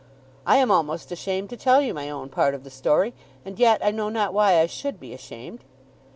I am almost ashamed to tell you my own part of the story, and yet I know not why I should be ashamed.